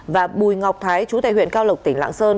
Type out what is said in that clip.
và bùi ngọc thái chú tại huyện cao lộc tỉnh lạng sơn